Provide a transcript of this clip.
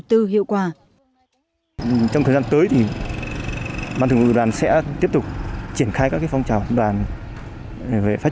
tư hiệu quả trong thời gian tới thì ban thường vụ đoàn sẽ tiếp tục triển khai các phong trào đoàn về phát